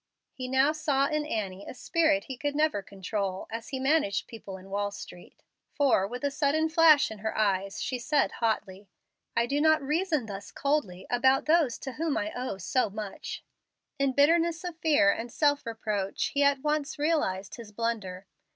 He now saw in Annie a spirit he could never control as he managed people in Wall Street, for, with a sudden flash in her eyes, she said, hotly, "I do not reason thus coldly about those to whom I owe so much," and abruptly left him. In bitterness of fear and self reproach he at once realized his blunder.